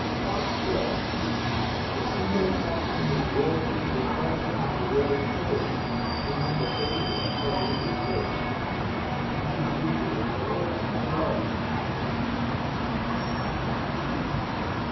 FOXGLOVE. The syllable fox in this word is a corrup tion of the word folks, meaning the fairies or " little folks." It should be folks' glove.